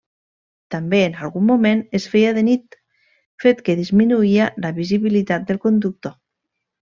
També, en algun moment es feia de nit, fet que disminuïa la visibilitat del conductor.